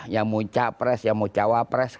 yang mau capres yang mau cawapres